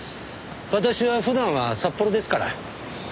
私は普段は札幌ですから。